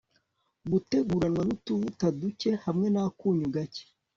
guteguranwa nutuvuta dukeya hamwe nakunyu gakeya